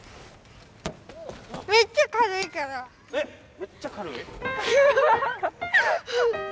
めっちゃ軽い？